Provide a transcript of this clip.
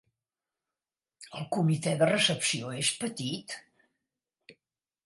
El comitè de recepció és petit.